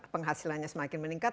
penghasilannya semakin meningkat